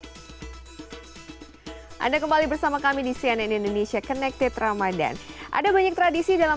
hai anda kembali bersama kami di cnn indonesia connected ramadan ada banyak tradisi dalam